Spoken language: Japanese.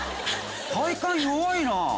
体幹弱いな。